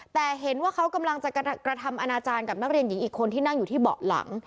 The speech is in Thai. แต่เห็นว่าเขากำลังจะกระทำอนาจารย์กับนักเรียนหญิงอีกคนที่นั่งอยู่ที่เบาะหลัง